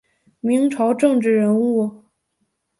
明朝政治人物。